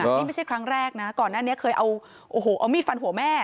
นี่ไม่ใช่ครั้งแรกนะก่อนหน้านี้เคยเอาโอ้โหเอามีดฟันหัวแม่